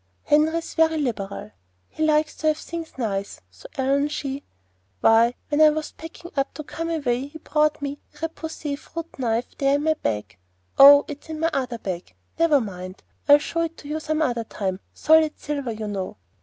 Henry's very liberal. He likes to have things nice, so Ellen she Why, when I was packing up to come away he brought me that repoussé fruit knife there in my bag Oh, it's in my other bag! Never mind; I'll show it to you some other time solid silver, you know.